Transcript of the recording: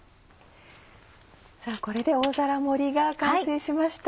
これで大皿盛りが完成しました。